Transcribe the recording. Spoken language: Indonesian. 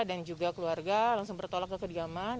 dan juga keluarga langsung bertolak ke kediaman